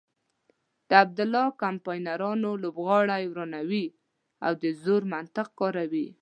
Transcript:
د عبدالله کمپاینران لوبغالی ورانوي او د زور منطق کاروي.